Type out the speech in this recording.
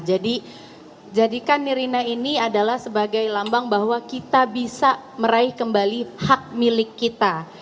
jadi jadikan nirina ini adalah sebagai lambang bahwa kita bisa meraih kembali hak milik kita